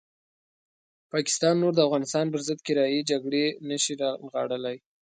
پاکستان نور د افغانستان پرضد کرایي جګړې نه شي رانغاړلی.